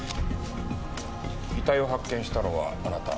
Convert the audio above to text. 遺体を発見したのはあなた？